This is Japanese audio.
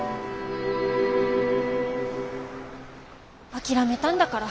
諦めたんだから。